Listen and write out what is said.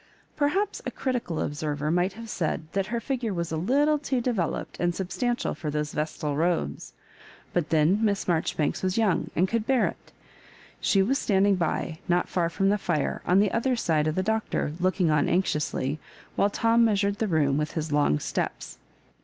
Perhaps a critical observer might have said that her figure was a little too developed and sub stantial for those vestal robes; but then Miss Marjoribanks was young, and could bear it She was standing by, not far fh)m the fire, on tbe other side from the Doctor, looking on anxiously, while Tom measured the room with his long I steps.